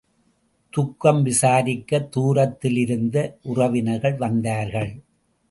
துக்கம் விசாரிக்கத் தூரத்தில் இருந்து உறவினர்கள் வந்தார்கள்.